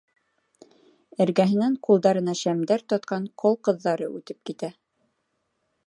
Эргәһенән ҡулдарына шәмдәр тотҡан ҡол ҡыҙҙар үтеп китә.